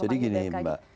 jadi gini mbak